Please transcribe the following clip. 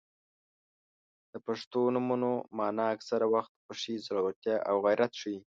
• د پښتو نومونو مانا اکثره وخت خوښي، زړورتیا او غیرت ښيي.